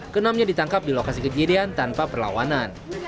kenamnya ditangkap di lokasi kejadian tanpa perlawanan